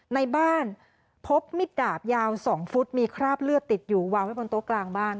ในบ้านพบมิดดาบยาว๒ฟุตมีคราบเลือดติดอยู่วางไว้บนโต๊ะกลางบ้าน